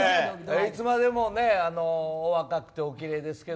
いつまでもお若くておきれいですけど。